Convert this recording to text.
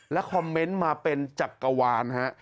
คอมเมนต์มาเป็นจักรวาลฮะ